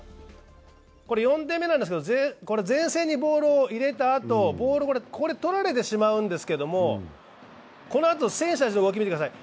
これ４点目なんですけど、前線にボールを入れた後、ボールをここでとられてしまうんですけど、このあと選手たちの動き見てください。